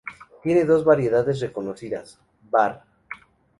Tiene dos variedades reconocidas; var.